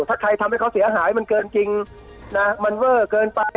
ถ้าใครทำให้เขาเสียหายมันเกินจริงนะมันเวอร์เกินไป